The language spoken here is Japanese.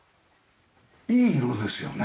いい色ですよね。